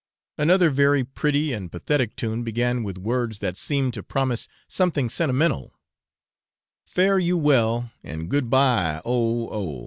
Another very pretty and pathetic tune began with words that seemed to promise something sentimental Fare you well, and good bye, oh, oh!